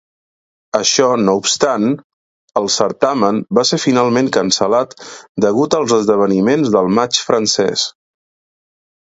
Això no obstant, el certamen va ser finalment cancel·lat degut als esdeveniments del Maig francès.